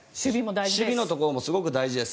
守備のところもすごく大事です。